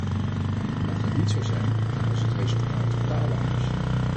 Mocht dat niet zo zijn, dan was het resultaat totaal anders.